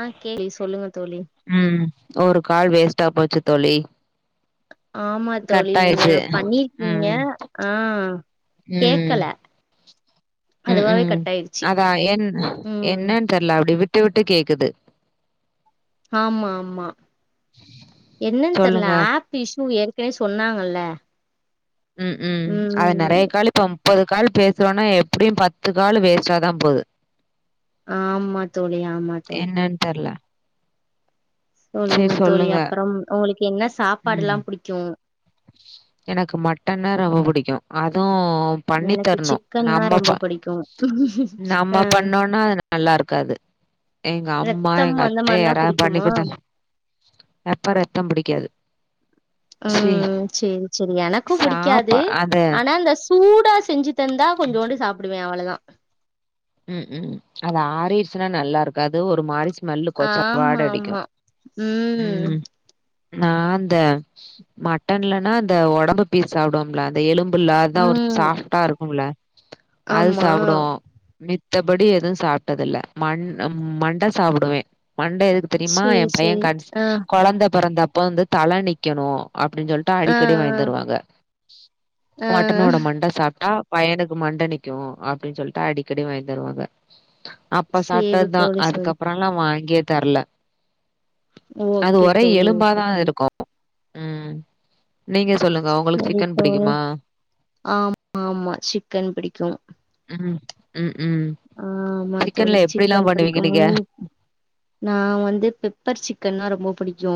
ஆஹ் K சொல்லுங்க தோழி ம் ஒரு கால் வேஸ்டா போச்சு தோழி ஆமா தோழி கட் நீங்க ஆயிடுச்சு பண்ணிருக்கீங்க ம் ஆஹ் கேக்கல ம் ம் அதுவாவே ம் கட் ஆயிருச்சு அதான் என் ம் என்னன்னு தெரியல அப்டி விட் விட்டுவிட்டு கேக்குது ஆமா ஆமா என்னன்னு தெரல சொல்லுங்க ஆப் இஸு ஏற்கனே சொன்னாங்க அது பே உம் உம் அத நறைய காலிப்போம் முப்பது கால் பேசுறோனா எப்டியும் பத்து கால் வேஸ்டாதான் போது ஆம்மா த் என்னந்தெர்ல சொல்லுங்க தோழி அப்பறம் உங்களுக்கு என்லா சாப்பாடு ம் எல்லாம் புடிக்கும் எனக்கு மட்டன்னா ரொம்ப புடிக்கும் அதோம் அவ் பண்ணி எனக்கு தரணும் சிக்கன்னா நம்ம ரொம்ப சா புடிக்கு நம்ம ஆ பண்ணோனா அது நல்லா இருக்காது எங்க அம்மா ரத்தம் எங்க அந்த அத்தை மாரினா யாரது பண்ணி புடிக்குமா கொடுத்த நா எப்ப ரத்தம் புடிக்காது சேரி ம் சேரி சேரி எனக்கும் புடிக்காது அது ஆனா இந்த சூடா செஞ்சு தந்தா கொஞ்சோண்டு சாப்புடுவேன் அவ்வளவு தான் ம் ம் அது ஆறிடிச்சின்னா நல்லா இருக்காது ஒரு மாரி ஸ் ஆமா ஆமா ம் நான் அந்த மட்டன்லனா அந்த ஒடம்பு பீஸ் சாப்டுவோம்ல அந்த எலும்பு பு ல்ல தா ஒரு ம் சாப்டா இருக்கும்ல அது ஆமா சாப்பிடுவோம் மித்தபடி எதும் சாப்ட்டது இல்ல மண் மண்டை சாப்பிடுவேன் மண்டை எதுக்கு தெரியுமா சேரி என் பையன் சேரி கன் ஆ கொழந்த பிறந்தப் அப்ப வந்து தலை நிக்கணோ அப்பிடின்னு சொல்ட்டு ஆ அடிக்கடி வாங்கித் ஆ தருவாங்க ஆ மட்டனோட மண்ட சாப்ட்டா பையனுக்கு மண்ட நிக்கும் அப்பிடின்னு சொல்ட்டு அடி கடி வாங்கி தருவாங்க அப்ப சேரி சாப்ட்டதுதான் தோழி சரி அதுக்கப்பறம் எல்லா வாங்கியே தரல அது ஓகே ஒரே தோழி எலும்பா ஓகே தான் இருக்கும் ம் நீங்க சொல்லுங்க உங்களுக்கு சேரி சிக்கன் தோழி பிடிக்குமா ஆமா ஆமா சிக்கன் பிடிக்கு உம் உம் ஆமா தோழி சிக்கன் பிடிக்கு பண்ணுவீங்க நீங்க நா வந்து பெப்பர் சிக்கன்னா ரொம்ப பிடிக்கு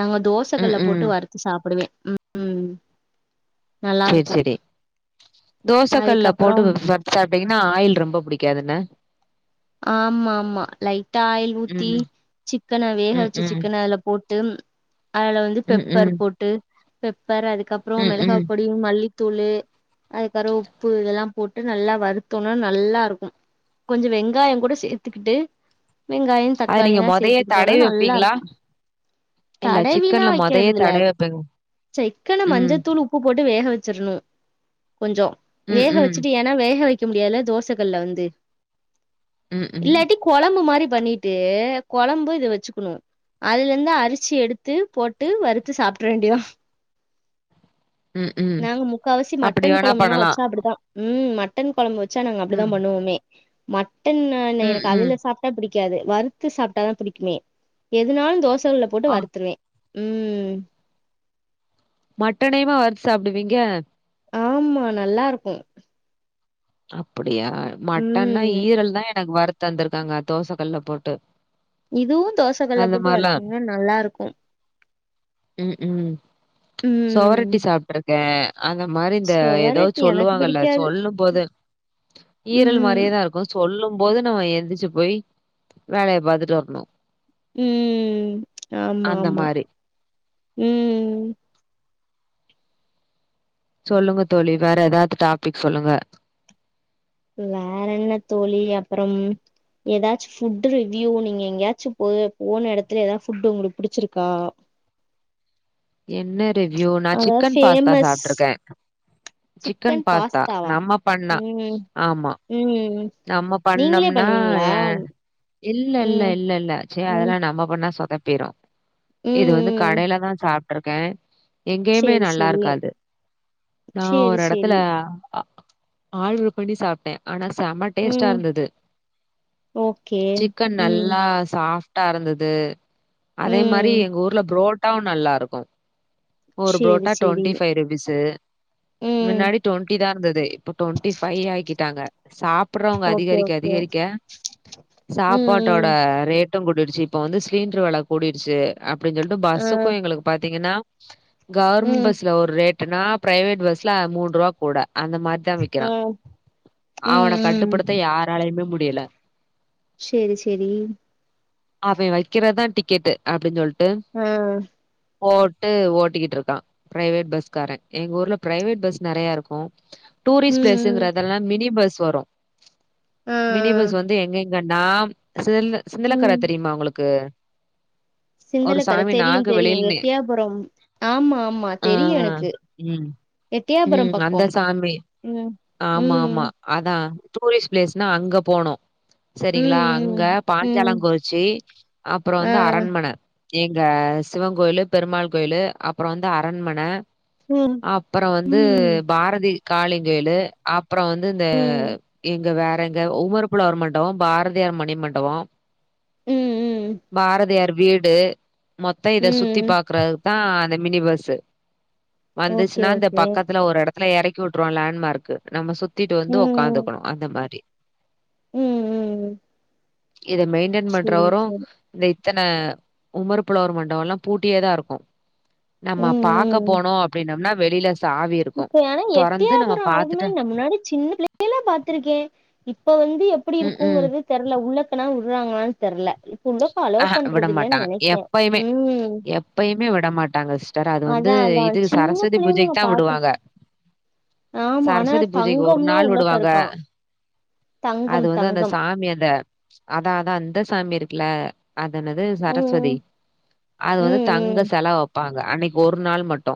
நாங்க ம் தோசைகல்ல போட்டு ம் வறுத்து சாப்பிடுவே ம் நல்லா சேரி இருக்கு சேரி தோச கல்லுல போட்டு அதுக்கப்புறம் [unintelligible] சாப்பிட்டீங்கன்னா ஆயில் ரொம்ப புடிக் காதுல ஆமா ஆமா லைட்டா ஆயில் ம் ஊத்தி சிக்கன வேக ம் வச்ச ம் சிக்கன அதுல போட்டு ம் அதுல வந்து ம் ம் பெப்பர் போட்டு பெப் பரு அதுக்கப்றோ ம் மெளகா ம் பொடியு மல்லி தூளு அதுக்கறோ உப்பு இதல்லா போட்டு நல்லா வருத்தோனா நல்லா இருக்கு கொஞ்சோ வெங் வெங்காயோ கூட சேத்துக்கிட்டு வெங்காயோ அது நீங்க தக்காளியல்லா மொதயே சேத்துக்கிட்டோன்னா தடவி வப்பீங்களா நல்லாருக்கு இல்ல தடவீனா சிக்கன்ல மொதயே வைக்கிறதுதுல தடவி வப்பீங்க சிக்கன ம் மஞ்சத்தூள் உப்பு போட்டு வேக வச்சிரணு கொஞ்சம் ம் வேக ம் வச்சுட்டு ஏன்னா வேக வக் [unintelligible] முடியாதுல தோசகல்ல வந்து ம் ம் இல்லெட்டி கொலம்பு மாரி பண்ணிட்டு கொழம்பு இத வச்சுக்குணு அதுலஇந்து அரிசி எடுத்து போட்டு வருத்து சாப்ட்ர வேண்டி ம் ம் நாங்க முக்கவாசி அப்டி மட்டன் வேணா கொழம்புலா பண்ணலா வெச்சா அவ்ளோதா ம்ம் மட்டன் கொழம்பு வெ வச்சா நாங்க அப்படிதா ம் பண்ணுவமே மட் டன்னு இல்ல ம் எனக்கு ம் அதுல சாப்ட பிடிக் க்காது வறுத்து சாப்டதா பிடிக்குமே எதுனாலு தோச [unintelligible] போட்டு ஆ வருத்துருவே ம் மட்டனையுமா வருத்து சாப்டுவீங்க ஆமா நல்லாருக்கோ அப்ப அப்படியா மட்டன்னா ம் ஈரல்தா எனக்கு வரு தத்து தந்திருக்காங்க தோச கல்ல போட்டு இதுவு தோசகல்ல அந்த போட்டு மாரலா வறுத்தீங்கன்னா நல்லாருக்கு ம் ம் ம் சுவரோட்டி சாப்ட்டுருக்கேன் அந்த மாரி இந்த ஏதோ சொவரொட்டி எனக்கு சொல்லுவாங்கல்ல பிடிக்காது சொல்லும்போது ஈரல் ம் மாரியேதா இருக்கு சொல்லும்போது நம்ம எந்திச்சு போய் வேலய பாத்துட்டு வரணு ம் ஆமா ஆமா மாரி. ம் சொல்லுங்க தோழி வேற எதாது டாபிக் சொல்லுங்க வேற என்ன தோழி அப்பறம் ஏதாச்சு புட் ரிவ்யூ நீங்க எங்கயாச்சு போ போன இடத்துல ஏதாவது புட் உங்களுக்கு புடிச்சிருக்கா என்ன ரிவ்யூ நான் அதாவது சிக்கன் பாஸ்தா ஃபேமஸ் சாப்ட்ருக்கே சிக்கன் பாஸ்தா நம்ம பண்ண ம் ஆமா ம் நம்ம நீங்களே பண்ணம்ன பண்ணுவீங்களா இல்ல ம் இல்ல ம் இல்ல இல்ல ச ம் அதெல்லா நம்ம பண்ணா சொத பிரு இது வந்து ம் கடையில தா சாப் இருக்கேன் எங்கேயுமே சேரி நல்லா சேரி இருக்காது நான் சேரி ஒரு எடத்துல சேரி ஆ ஆ ஆழ்வு படி சாப்ட ஆனா டேஸ்டா ம் இருந்தது ஓகே சிக்கன் ம் நல்லா சா சாஃப்டா இருந்தது அதே மாரி ம் எங்க ஊர்ல புரோட் நல்லா இருக்கு ஒரு சேரி புரோட்டா சேரி ட்வெண்டி ஃபைவ் ருபீஸு ம் முன்னாடி ட்வெண்டி தா இருந்தது இப்ப ட்வெண்டி ஃபைவ் ஆகிட்டாங்க சா ப்புறவங்க ஓகே அதிகரிக்க ஓகே அதிகரிக்க ம் சாப்பாட்டோட ம் ரேட் டு கூடிடுச்சு இப்ப வந்து சிலிண்டுரு வெல கூடிடுச்சு அப்டின்னு சொல்ட்டு ஆ பஸ்ஸுக்கு எங்களுக்கு பாத்தீங்கன்னா கவர்மெண்ட் ம் பஸ்ல ஒரு ரேட் டுனா பிரைவேட் பஸ்ல மூண் ரூபா கூட அந்த மாரிதா வைக்கிறா ஆ ம் அவன கட்டுப்படுத்த யாராலயுமே முடி டில செரி செரி அவன் வைக்கிறதா டிக்கெட அப்டின்னு சொல்லிட்டு ஆஹ் போட்டு ஓட்டிக்கிட்டு இருக்கான் பிரைவேட் பஸ்காரே எங்க ஊர்ல பிரைவேட் பஸ் நெறைய இருக்கு ம் டூரிஸ்ட் ம் பிளேஸ்ங்குறதெல்லா மினி பஸ் வரும் ஆ ஆ மினி பஸ் வந்து எங்க வேணா சில் ம் சிந்தலக்கர தெரியுமா ஒங்களுக்கு சிந்தலக்கர தெரியு தெரியு வெளில நி எட்டியாபுரம் ஆமா ஆமா ஆ தெரியு எனக்கு ம் எட்டியாபுரம் ம் பக்கோ அந்த சாமி உம் ஆமா உம் ஆமா அதா டூரிஸ்ட் பிளேஸ்னா அங்க போனு செரிங்களா ம் அங்க ம் ம் பாஞ்சாலங் கொறிச்சி அப்புறோ ஆ வந்து அரண்மன எங்க சிவங் கோயிலு பெருமாள் கோயிலு அப்புறோ வந்து அரண்மன ம் அப்பறோ வந்து ம் பாரதி காளிங்கயிலு அப் ப்பறோ வந்து இந்த ம் இங்க வேற எங்க உமர் புலவர் மண்டவோ பாரதியார் மணி மண்டவோ ம் ம் பாரதியார் வீடு மொத்தோ இத சுத்தி ம் பாக்குறதுக்குதா அந் மினி பஸ்ஸு ஓகே வந்துச்சுனா இந்த ஓகே பக்கத்துல ஒரு எடத் துல எறக்கி உட்றோ லேண்ட்மார்க்கு நம்ம சுத் திட்டு வந்து ஒக்காந்துக் இந்த மாரி உம் ம் ம் இத மெயின்டென் சேரி பண்றவரு சேரி இந்த இத்தன உமர் புலவர் மண்டவல்லா பூட்டியேதா இருக்கு நம்ம ம் பாக்க ம் போனோ அப்டின்னம்னா வெளில சாவி இருக்கும். இப்ப ஏனா தொறந்து நம்ம எட்டியாபுரொ அழகுமே பாத்துட்டு நா முன்னாடி சின்ன புள்ள [inaudible] ல பாத்துருக்கே இப்ப வந்து எப்புடி ம்ஹ்ம் இருக்குங்குறது தெர்ல உள்ளக்கனா உடுறாங்களான் தெர்ல இப்ப உள்ளக்க அலோ ஆஹ பண்றது இல்லன்னு விடமாட்டாங்க நெனைக்கே எப்பய்மே ம் எப்பயுமே விடமாட்டாங்க சிஸ்டர் அது அதா வந்து அதா இது சின்ன சரஸ்வதி பிள்ளைல நா பூஜைக்தா பாத்தே விடுவாங்க ஆமா ஆனா சரஸ்வதி பூஜைக்கு ஒரு தங்கம்னா நாள் உள்ளக்க விடுவாங்க இருக்கா அது தங்கம் வந்து அந்த தங்கம் சாமி அந்த அதா அதா இந்த சாமி இருக்குல அதென்னது ம் சரஸ்வதி அது வந்து தங்க ம் செல வப்பா ல அன்னைக்கொரு நாள் மட்டு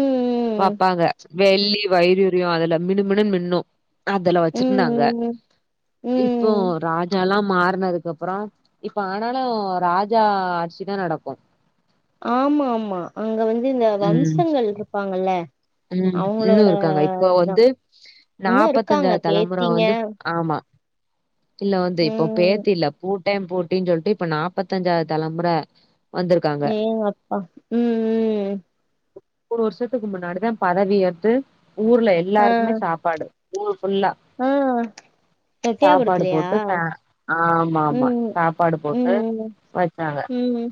ம் வப்பாங்க வெள்ளி வைடூரியொ அதுல மினு மினுன் மின்னு அதுல ம் வச்சுர்ந்தாங்க ம் ம் இப்பொ ம் ராஜால்லாம் மாறுனதுக்கப்புறோ இப்ப ஆனாலு ராஜா ஆட்சி தா நடக்கு ஆமாமா அங்க வந் இந்த வம்சங்கள்ருப்பாங்கல்ல உம் இன்னு இருக்காங்க இப்பொ வந்து இன்னு இருக்காங்க நாப்பத்தஞ்சாது தலமுற பேத்திங்க வந்து ஆமா இல்ல வந்து இப்பொ ம் பேத்தில்ல பூ பூட்டே பூட்டின் சொல்ட்டு இப்ப நாப்பத்தஞ்சாது தலமுற ம் அப்பா உம் உம் மூணு வருஷத்துக் முன்னாடிதா பதவியேத்து ஊர்ல ஆ எல்லாருக்குமே சாப்பாடு [unintelligible] ஃபுல்லா ஆ சாப்பாடு எட்டயாபுரத்துலயா போட்டு ச ஆமா ஆமா ம் சாப்பாடு போட்டு ம் வச்சாங்க ம் ம்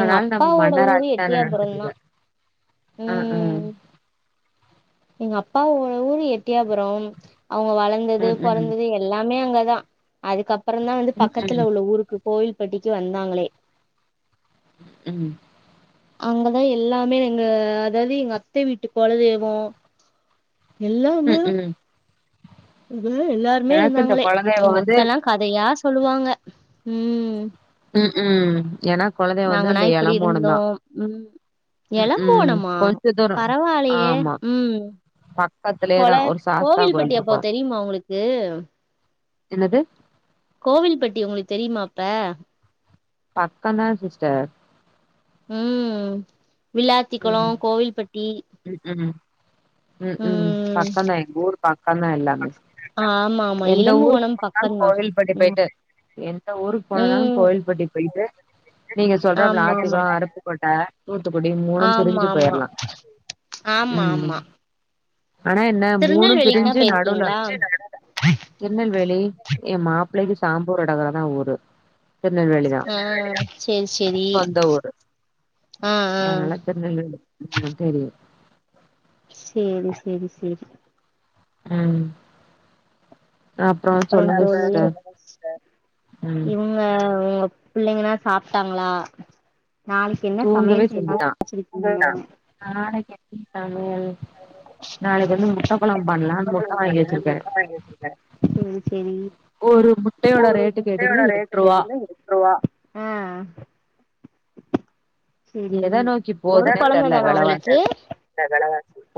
எங்க நம்ம அப்பாவோட மன்னர் ஊரு ஆட்சிதான எட்டியாபுரம் நடந்துட்டு இருக்கு தான் ஆ ஆ உம் எங்க அப்பா ஊரு எட்டியாபுரம் அவுங்க வளந்தது ம் ம் பொறந்தது எல்லாம் மே அங்கதான் அதுக்கப்புறம் அப்புறம் தான் வந்து ம் பக்கத்து ம் உள்ள ஊருக்கு கோயில்பட்டிக்கு வந்தாங்களே உம் அங்கதான் எல்லாமே எங்க அதாவது எங்க அத்தை வீட்டு கொலதெய்வம் எல்லாம் அங்க ம்ஹ்ம். இது எல்லாருமே எனக்கு இந்த இருந்தாங்களே குலதெய்வம் எங்க வந்து அத்தைல்லாம் கதையா சொல்லுவாங்க உம் உம் உம் ஏன்னா குலதெய்வம் வந்து நாங்கனா இந்த இப்டி எலம்போனம் தான். இருந்தோம் உம் எளம் ம்ஹ்ம். போனமா கொஞ்ச தூரம். பரவாயில்லையே ஆமா. உம் பக்கத்திலேயே கொல தான் ஒரு சாஸ்தா கோயில் கோவில்பட்டி அப்போ இருக்கும். தெரியுமா உங்களுக்கு என்னது கோவில்பட்டி உங்களுக்கு தெரியுமாப்ப பக்கம் தான் சிஸ்டர் உம் விள்ளாத்தி குளம் கோவில்பட்டி உம் உம் உம் உம் ம் பக்கந்தா எங்கூர் பக்கந்தா எல்லாமே ஆமா ஆமா எந்த ஊருக்கு இளம்புவனம் போனாலும் பக்கந்தா கோவில்பட்டி ம் போயிட்டு எந்த ஊருக்கு போனனாலும் ம் கோவில்பட்டி போயிட்டு நீங்க சொல்ற ஆமா ஆமா விழாத்திகுளம் அருப்பு கோட்டை ஆ தூத்துக்குடி மூணும் ஆமா திரிஞ்சி ஆமா போயிரலா ஆமா ஆமா ஆனா என்ன மூணும் திருநெல்வேலிக்குனா பிரிஞ்சு நடுவுல போயிருக்கீங்களா திருநெல்வேலி எ மா ப்பிளைக்கு சாம்பூர் அடகுறதா ஊரு திருநெல்வேலி தா ஆ சேரி சேரி சொந்த ஊர் ஆ ஆ அதனால திருநெல்வேலி தெரியு சேரி செரி செரி உம் அப்புற தோழி ம் இங்க உங்க பிள்ளைங்களா சாப்டாங்களா நாளைக்கு என்ன தூங்கவே சமையல் செய்யலா செஞ்சுட்டா நெனச்சிடுருக்கங்க நாளைக்கு என்ன சமையல் நாளைக்கு வந்து முட்ட கொழம்பு பண்லான்னு முட்ட செரி வாங்கி வச்சிருக்கே ஒரு முட்டையோட செரி ரேட்டு கேட்டீங்கன்னா எட்டு ரூவா ஆஹ் சரி எத நோக்கி ஒரு போதுன்னே கொழந்த தெர்ல தானா உங்களுக்கு வெலவாசி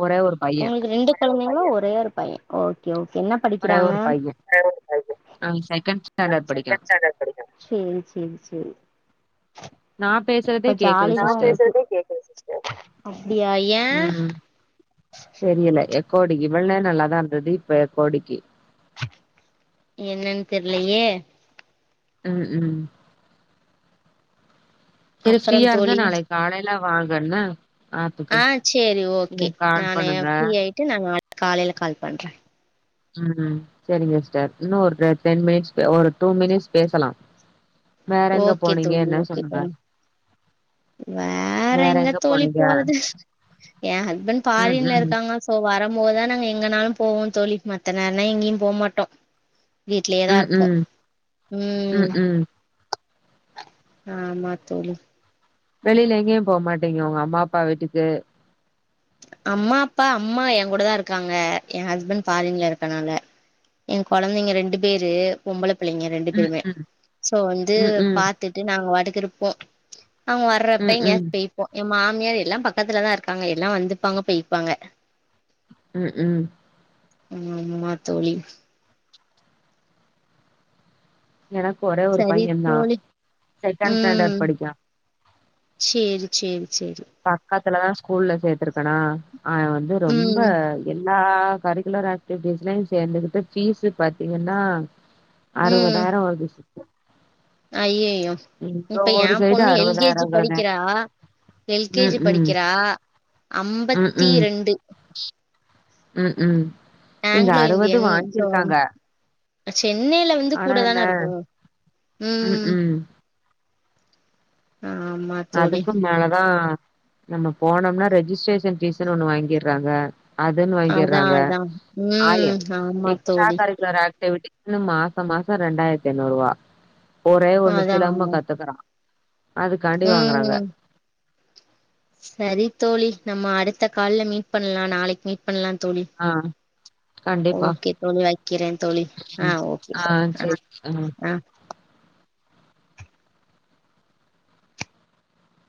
ஒரே ஒரு பைய உங்ளுக்கு ரெண்டு கொழந்தைங்ளா ஒரே ஒரு பைய ஓக்கே ஓக் என்ன ஒரே படிக்கிறாங்க ஒரு பைய அவ செகண்ட் ஸ்டாண்டர்ட் படிக்கா சேரி சேரி சேரி நா பேசுறதே அப்ப கேக்குது ஜாலிதா சிஸ்டர் உங்ளுக் அப்டியா ஏ ம் தெரியல எக்கோ அடிக்கு இவள்நேரோ நல்லாதா இருந்தது இப்ப எக்கோ அடிக்கு என்னன் தெர்லயே உம் உம் சேரி அப்றோ ஃப்ரீயா இருந்தா நாளைக் காலை ல்ல வாங்கன்ன ஆஹ் சேரி ஓக்கே கால் நானு பண்ணுங்க ஃப்ரீ ஆய்ட்டு நாங்க காலைல கால் பண்ற ம் உம் ம் செரிங்க ஸிஸ்டர் இன்னு ஒரு டென் மினிட்ஸ்கு ஒரு டூ மினிட்ஸ் பேசலா வேற எங்க ஓகே போனிங்க தோழி எத்னா ஓகே சொல்லுங்க தோழி வேற எங்க தோழி போறது ஏ ஹஸ்பண்ட் ம் ஃபாரின்ல ம் இருக்காங்க சோ வர போதா நாங்க எங்கனாலூ போவோ தோழி மத்த நேர்னா எங்கியு போ மாட்டோ வீட்லயே தா ம் இருப்போ ம் ம் ஊம் ம் ஆமா தோழி வெளில எங்கயு போ மாட்டிங்க உங்க அம்மா அப்பா வீட்டுக்கு அம்மா அப்பா அம்மா எ கூட தா இருக்காங்க எ ஹஸ்பண்ட் ஃபாரின்ல இருக்கனால எ கொழந்தைங்க ரெண்டு பேரு பொம்பளப் பிள்ளைங்க ரெண்டு ம் பேருமே ம் சோ வந்து ம் ம் பாத்துட்டு நாங்க வாட்டுக் திருப்போ அவ்ங்க வர்றப்ப ம் எங்கேயாச் ம் பேய்ப்போ எ மாமியார் எல்லா பக்கத்ல தா இருக்காங்க எப் எல்லா வந்துப்பாங்க போய்ப்பாங்க உம் உம் ஆம்மா தோழி எனக்கு ஒரே ஒரு சரி பையந் தா தோழி செக்கேண்ட் ம் ஸ்டாண்டட் படிக்கா சேரி சேரி சேரி பக்கத்துலதா ஸ்கூல்ல சேத்ருக்கனா அவே வந்து ரொம்ப ம் எல் லா கரிக்குலர் ஆக்டிவிட்டிஸ்லயு சேந்துகிட்டு ஃபீஸ்ஸு பாத்திங்கனா ம் அறுவதாயிர வருது சி ஐயயோ எங்க இப்ப எ ஊரு சைடு பொண்ணு எல் கே ஜி அறுவதாயிரங்கிறதே படிக்கிறா எல் கே ம் ஜி ம் படிக்கிறா அம்பத்தி ரெண்டு உம் உம் ஆங்லோ இந்தியன் சோ சென்னைல வந்து கூட தான இருக்கு உம் ம் உம் ஆமா தோழி அதுக்கும் மேலதா நம்ம போனம்னா ரெஜிஸ்ட்ரேஷன் ஃபீஸுனு ஒன்னு வாங்கிர்றாங்க அதுன் அதா வாங்கிர்றாங்க அதா ஆய ம் ஆமா எக்ஸ்ட்ரா தோழி கரிக்குலர் ஆக் டிவிட்டி இன்னு மாச மாச ரெண்டாயிரத்தி ஐந்நூறுவா ஒரே ஒன்னு அதா சிலம்ப கத்துக்குறா அது காண்டி வாங்குறாங்க ம் சரி தோழி நம்ம அடுத்த கால்ல மீட் பண்லா நாளைக்கு மீட் பண்லா தோழி ஆ கண்டிப்பா. ஓகே தோழி வக்கிறே தோழி ம். ஆஹ் ஓகே ஆ தோ ஆஹ் சரி. ஆ. ஆஹ்